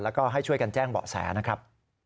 แล้วก็ให้ช่วยกันแจ้งเบาะแสนะครับ